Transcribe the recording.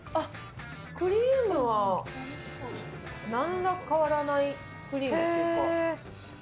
クリームは何ら変わらないクリームというか。